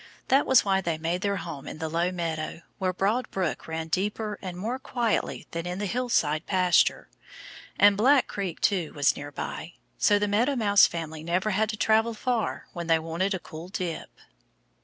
That was why they made their home in the low meadow, where Broad Brook ran deeper and more quietly than in the hillside pasture. And Black Creek, too, was near by. So the Meadow Mouse family never had to travel far when they wanted a cool dip.